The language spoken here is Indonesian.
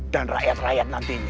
dan rakyat rakyat nantinya